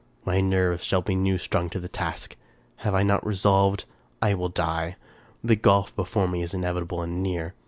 My nerves shall be new strung to the task. Have I not resolved? I will die. The gulf before me is inevitable and near.